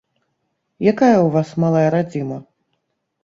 Якая ў вас малая радзіма?